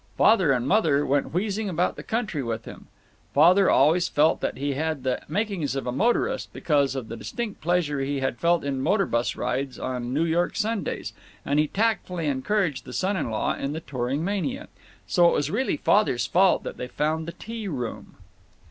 Father and Mother went wheezing about the country with him. Father had always felt that he had the makings of a motorist, because of the distinct pleasure he had felt in motor bus rides on New York Sundays, and he tactfully encouraged the son in law in the touring mania. So it was really Father's fault that they found the tea room.